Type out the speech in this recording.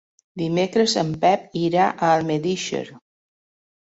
Dimecres en Pep irà a Almedíxer.